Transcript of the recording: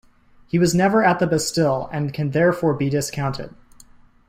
He was never at the Bastille and can therefore be discounted.